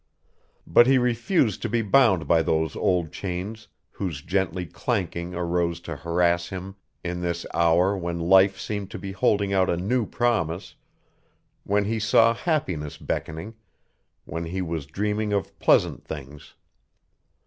But he refused to be bound by those old chains whose ghostly clanking arose to harass him in this hour when life seemed to be holding out a new promise, when he saw happiness beckoning, when he was dreaming of pleasant things.